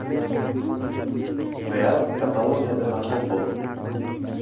"Real" Kataloniyada mag‘lub bo‘ldi